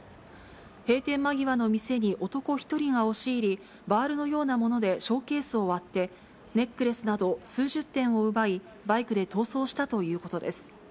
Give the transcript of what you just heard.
閉店間際の店に男１人が押し入り、バールのようなものでショーケースを割って、ネックレスなど数十点を奪い、バイクで逃走したということです。